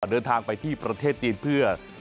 เดินทางไปที่ประเทศจีนเข้าเดินทางไปที่ประเทศจีน